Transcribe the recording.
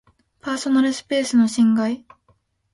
パーソナルスペースの侵害